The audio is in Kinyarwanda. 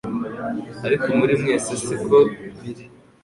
Ariko muri mwe si ko biri,